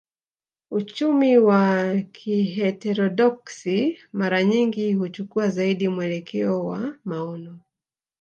Uchumi wa kiheterodoksi mara nyingi huchukua zaidi mwelekeo wa maono